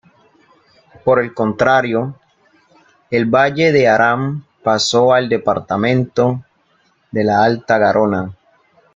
Por el contrario, el Valle de Arán pasó al "departamento de la Alta Garona".